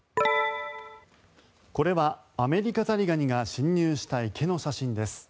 これはアメリカザリガニが侵入した池の写真です。